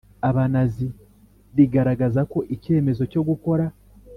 Abanazi rigaragaza ko ikemezo cyo gukora